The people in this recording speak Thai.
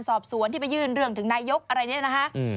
สอบสวนที่ไปยื่นเรื่องถึงนายกอะไรเนี่ยนะคะ